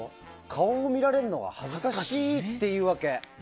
顔を見られるのが恥ずかしいっていうわけ。